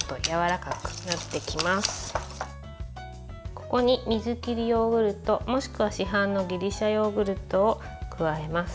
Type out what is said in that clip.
ここに水きりヨーグルトもしくは、市販のギリシャヨーグルトを加えます。